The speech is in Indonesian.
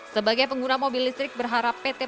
sebagai pengguna mobil listrik berharap pt